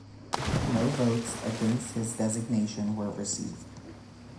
No votes against his designation were received.